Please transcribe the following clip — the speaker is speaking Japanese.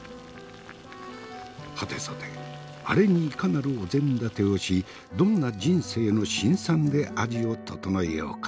はてさてアレにいかなるお膳立てをしどんな人生の辛酸で味を調えようか。